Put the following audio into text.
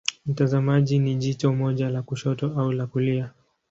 Mtazamaji ni jicho moja la kushoto au la kulia.